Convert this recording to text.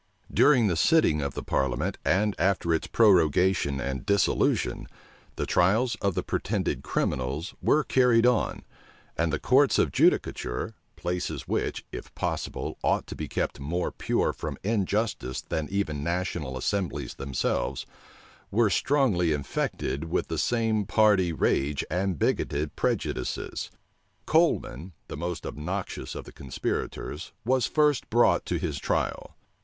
During the sitting of the parliament, and after its prorogation and dissolution, the trials of the pretended criminals were carried on; and the courts of judicature, places which, if possible, ought to be kept more pure from injustice than even national assemblies themselves, were strongly infected with the same party rage and bigoted prejudices. Coleman, the most obnoxious of the conspirators, was first brought to his trial.